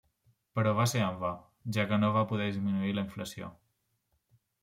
Però va ser en va, ja que no va poder disminuir la inflació.